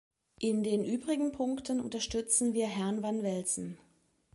In den übrigen Punkten unterstützen wir Herrn van Velzen.